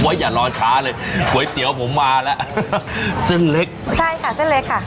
อย่ารอช้าเลยก๋วยเตี๋ยวผมมาแล้วเส้นเล็กใช่ค่ะเส้นเล็กค่ะ